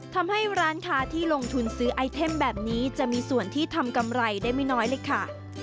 ทำให้ร้านค้าที่ลงทุนซื้อไอเทมแบบนี้จะมีส่วนที่ทำกำไรได้ไม่น้อยเลยค่ะ